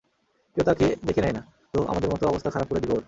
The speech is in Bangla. কেউ তাকে দেখে নেয় না, তো আমাদের মতো অবস্থা খারাপ করে দিবে ওর।